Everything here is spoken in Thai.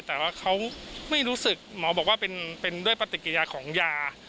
แต่ว่าเขาไม่รู้สึกหมอบอกว่าเป็นด้วยปฏิกิยาของยา